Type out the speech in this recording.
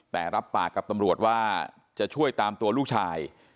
แต่รับปากกับตำรวจว่าจะช่วยตามตัวลูกชาย